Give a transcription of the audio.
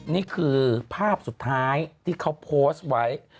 นี่คือภาพสุดท้ายที่เขาโพสต์ไว้